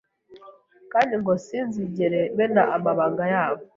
kandi ngo sinzigere mena amabanga yabo